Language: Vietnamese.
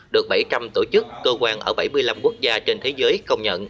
được bảy trăm linh tổ chức cơ quan ở bảy mươi năm quốc gia trên thế giới công nhận